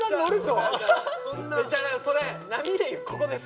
違う違うそれ波でいうここです。